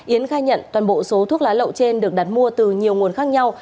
yến khai nhận toàn bộ số thuốc lá lậu trên được đặt mua từ nhiều nguồn khác nhau